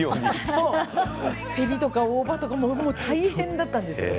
せりとか大葉とか大変だったんですよ。